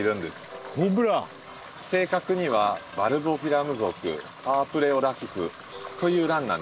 正確にはバルボフィラム属パープレオラキスというランなんです。